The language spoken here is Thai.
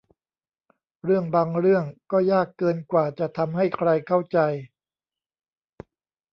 เรื่องบางเรื่องก็ยากเกินกว่าจะทำให้ใครเข้าใจ